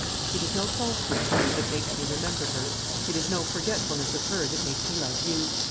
It is no falsehood to you that makes me remember her; it is no forgetfulness of her that makes me love you.